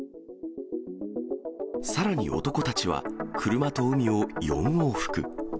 さらに男たちは車と海を４往復。